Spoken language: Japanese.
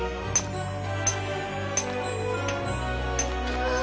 うわ！